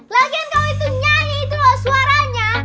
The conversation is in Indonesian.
lagian kau itu nyanyi itu lu suaranya